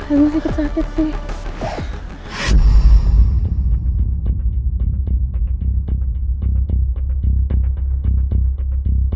aduh sedikit sakit sih